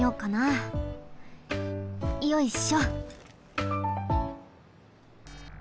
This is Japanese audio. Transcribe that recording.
よいしょ。